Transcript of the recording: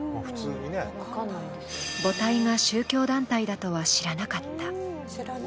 母体が宗教団体だとは知らなかった。